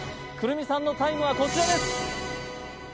來南さんのタイムはこちらです